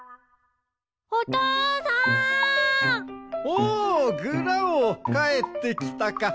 おおグラオかえってきたか。